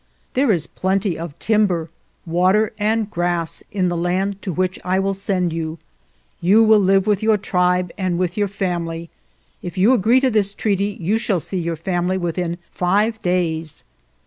" There is plenty of timber, water, and grass in the land to which I will send you. You will live with your tribe and with your family. If you agree to this treaty you shall see your family within five days."